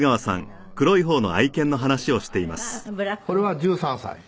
これは１３歳。